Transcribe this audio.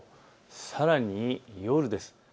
さらに夜です。